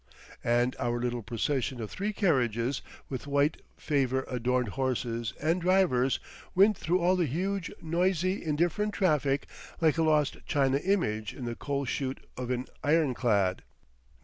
And our little procession of three carriages with white favour adorned horses and drivers, went through all the huge, noisy, indifferent traffic like a lost china image in the coal chute of an ironclad.